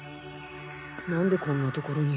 なんでこんな所に